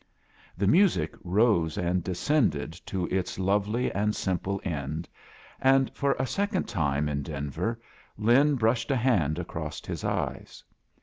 The miMc rose and descended to its lovely and simple end; and, for a second time in Denver, Lin brushed a hand across his eyes.